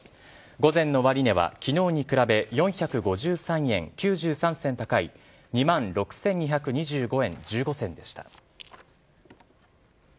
午前の終値はきのうに比べ４５３円９３銭高い、２万６２２５円１５銭でした。